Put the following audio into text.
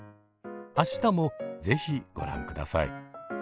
明日も是非ご覧ください。